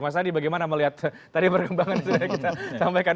mas hadi bagaimana melihat tadi berkembangannya itu yang kita sampaikan